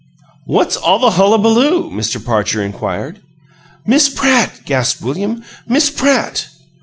"What's all the hullabaloo?" Mr. Parcher inquired. "Miss Pratt!" gasped William. "Miss Pratt!"